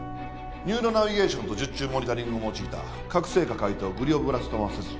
ニューロナビゲーションと術中モニタリングを用いた覚醒下開頭グリオブラストーマ切除。